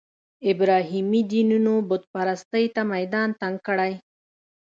ابراهیمي دینونو بوت پرستۍ ته میدان تنګ کړی.